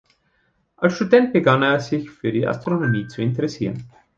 Als Student begann er sich für die Astronomie zu interessieren.